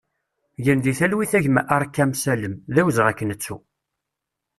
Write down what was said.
Gen di talwit a gma Arkam Salem, d awezɣi ad k-nettu!